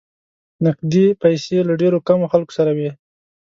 نقدې پیسې له ډېرو کمو خلکو سره وې.